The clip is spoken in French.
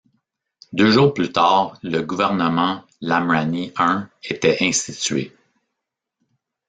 Deux jours plus tard, le gouvernement Lamrani I était institué.